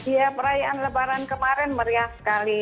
ya perayaan lebaran kemarin meriah sekali